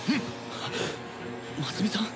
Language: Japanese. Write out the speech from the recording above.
真澄さん！？